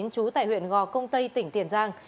trú tại huyện gò công tây tỉnh tiền giang